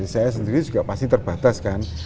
saya sendiri juga pasti terbatas kan